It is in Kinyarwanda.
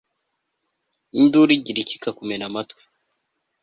induru igira itya ikamumena amatwi